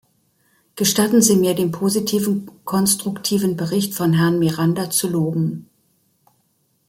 Gestatten Sie mir, den positiven, konstruktiven Bericht von Herrn Miranda zu loben.